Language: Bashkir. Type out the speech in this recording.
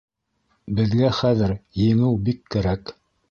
Беҙгә хәҙер еңеү бик кәрәк.